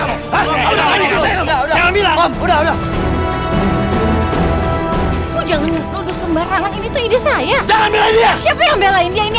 udah udah udah semangat ini tuh ide saya jangan belain dia siapa yang belain dia ini